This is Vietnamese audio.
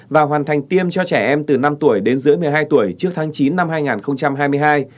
và hoàn thành tiêm cho trẻ em từ năm tuổi đến dưới một mươi hai tuổi trước tháng chín năm hai nghìn hai mươi hai